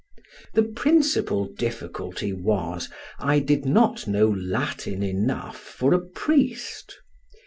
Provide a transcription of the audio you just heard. The principle difficulty was, I did not know Latin enough for a priest.